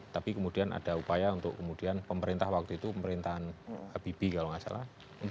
tapi kemudian ada upaya untuk kemudian pemerintah waktu itu pemerintahan habibie kalau nggak salah